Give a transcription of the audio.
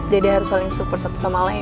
jadi harus saling super satu sama lain